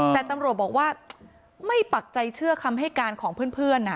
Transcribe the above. แต่ตำรวจบอกว่าไม่ปักใจเชื่อคำให้การของเพื่อน